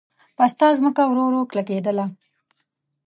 پسته ځمکه ورو ورو کلکېدله.